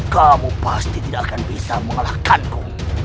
kamu pasti tidak akan bisa mengalahkanku